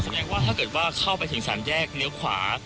ว่าถ้าเกิดว่าเข้าไปถึงสามแยกเลี้ยวขวา